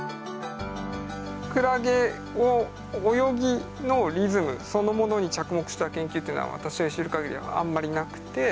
クラゲを泳ぎのリズムそのものに着目した研究っていうのは私が知る限りあんまりなくて。